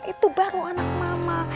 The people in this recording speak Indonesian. itu baru anak mama